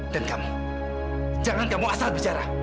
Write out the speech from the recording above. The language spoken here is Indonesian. dan kamu jangan kamu asal bicara